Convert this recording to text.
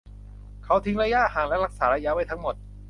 เขาทิ้งระยะห่างและรักษาระยะไว้ทั้งหมด